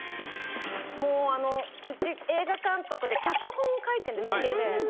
もううち映画監督で脚本を書いてるんです家で。